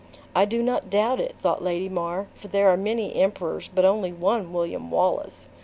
"I do not doubt it," thought Lady Mar; "for there are many emperors, but only one William Wallace!"